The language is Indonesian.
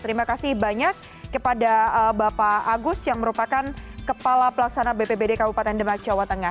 terima kasih banyak kepada bapak agus yang merupakan kepala pelaksana bpbd kabupaten demak jawa tengah